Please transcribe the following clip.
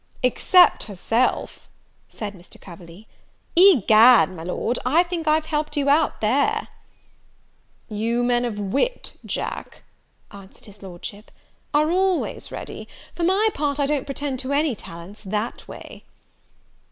"Except herself," said Mr. Coverley. "Egad, my Lord, I think I've helpt you out there!" "You men of wit, Jack," answered his Lordship, "are always ready; for my part, I don't pretend to any talents that way."